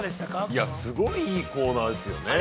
◆いや、すごいいいコーナーですよね。